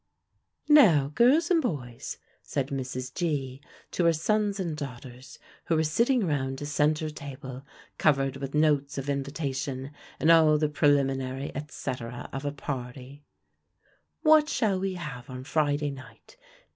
"Now, girls and boys," said Mrs. G. to her sons and daughters, who were sitting round a centre table covered with notes of invitation, and all the preliminary et cetera of a party, "what shall we have on Friday night?